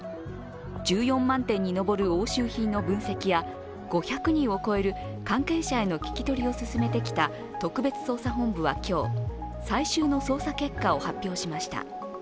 １４万点に上る押収品の分析や５００人を超える関係者への聞き取りを進めてきた特別捜査本部は今日、最終の捜査結果を発表しました。